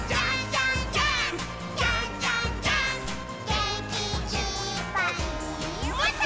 「げんきいっぱいもっと」